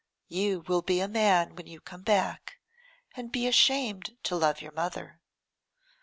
You will be a man when you come back, and be ashamed to love your mother.